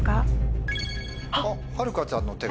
あっはるかちゃんの手が。